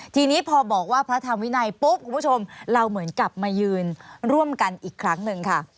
ทีนี้พอบอกว่าพระธรรมวินัยปุ๊บคุณผู้ชมเราเหมือนกลับมายืนร่วมกันอีกครั้งหนึ่งค่ะ